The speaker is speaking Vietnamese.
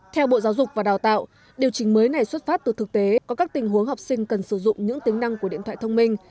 theo bộ giáo dục và đào tạo điều chỉnh mới này xuất phát từ thực tế có các tình huống học sinh cần sử dụng những tính năng của điện thoại thông minh